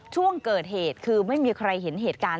ช่วงเกิดเหตุคือไม่มีใครเห็นเหตุการณ์